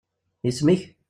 Isem-ik?